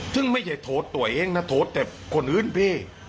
โทษแต่คนอื่นพี่